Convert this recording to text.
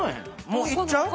もういっちゃう？